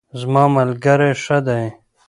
زما ملګرۍ ښه دی